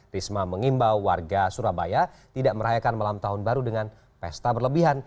risma mengimbau warga surabaya tidak merayakan malam tahun baru dengan pesta berlebihan